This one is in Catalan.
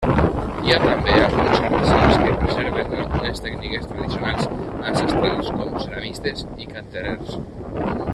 Hi ha també alguns artesans que preserven algunes tècniques tradicionals ancestrals, com ceramistes i canterers.